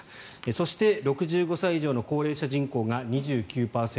そして６５歳以上の高齢者人口が２９％。